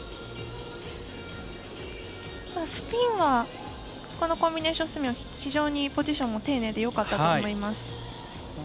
スピンはほかのコンビネーションよりも非常にポジションも丁寧でよかったと思います。